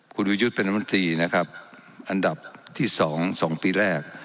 คุณวิวยุทธ์เป็นมันตรีนะครับอันดับที่สองสองปีแรก